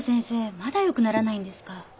まだよくならないんですか。